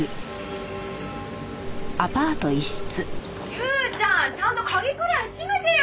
竜ちゃんちゃんと鍵くらい締めてよ！